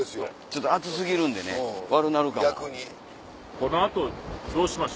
ちょっと暑過ぎるんでね悪なるかも。